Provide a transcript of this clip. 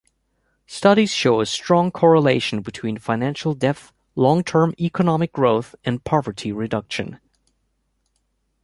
Studies show a strong correlation between financial depth, long-term economic growth and poverty reduction.